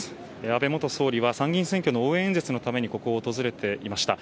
安倍元総理は参議院選挙の応援演説のためにここを訪れていました。